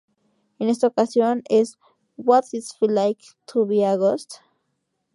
En esta ocasión es "What's It Feel Like To Be A Ghost?".